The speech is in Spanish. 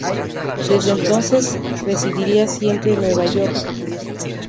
Desde entonces, residiría siempre en Nueva York.